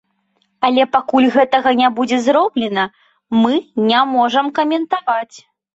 Але пакуль гэтага не будзе зроблена, мы не можам каментаваць.